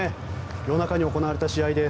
夜中に行われた試合です。